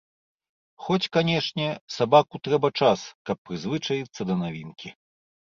Хоць, канечне, сабаку трэба час, каб прызвычаіцца да навінкі.